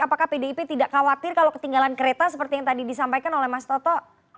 apakah pdip tidak khawatir kalau ketinggalan kereta seperti yang tadi disampaikan oleh mas toto